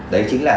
đấy chính là